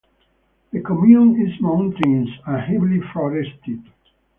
The commune is mountainous and heavily forested.